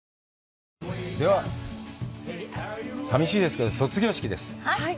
では、寂しいですけど、卒業式です！